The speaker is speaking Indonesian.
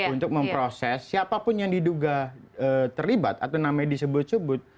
untuk memproses siapapun yang diduga terlibat atau namanya disebut sebut